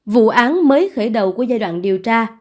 vụ án mới khởi đầu của giai đoạn điều tra